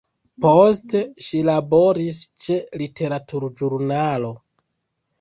Poste ŝi laboris ĉe literaturĵurnalo.